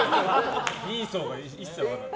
人相が一切分からない。